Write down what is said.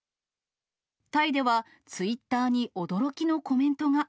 タイではツイッターに驚きのコメントが。